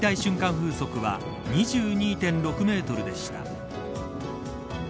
風速は２２．６メートルでした。